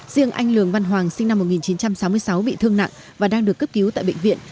riêng anh lường văn hoàng sinh năm một nghìn chín trăm sáu mươi sáu bị thương nặng và đang được cấp cứu tại bệnh viện